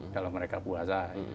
kalau mereka puasa